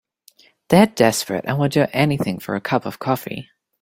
They're desperate and will do anything for a cup of coffee.